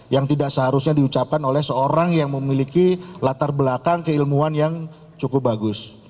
yang tidak seharusnya diucapkan oleh seorang yang memiliki latar belakang keilmuan yang cukup bagus